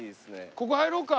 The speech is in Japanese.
ここ入ろうか？